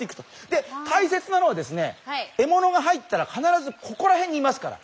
で大切なのはですねえものが入ったら必ずここら辺にいますから。